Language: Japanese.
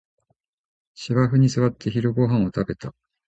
芝生に座って昼ごはんを食べた